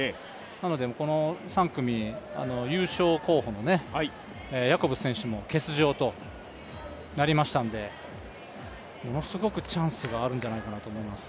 なので、この３組優勝候補のヤコブ選手も欠場ということになりましたのでものすごくチャンスがあるんじゃないかなと思います。